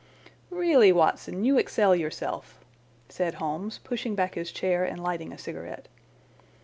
"Really, Watson, you excel yourself," said Holmes, pushing back his chair and lighting a cigarette.